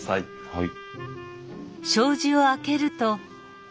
はい。